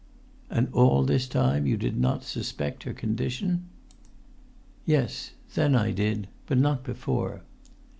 "And all this time you did not suspect her condition?" "Yes; then I did; but not before."